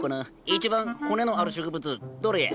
一番骨のある植物どれや？